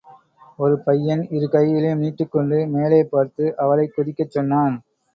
ஒரு பையன் இரு கைகளையும் நீட்டிக் கொண்டு மேலே பார்த்து அவளைக் குதிக்கச் சொன்னான்.